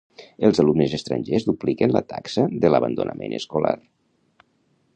Els alumnes estrangers dupliquen la taxa de l'abandonament escolar.